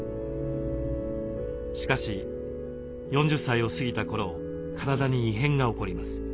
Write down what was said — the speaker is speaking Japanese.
しかし４０歳を過ぎた頃体に異変が起こります。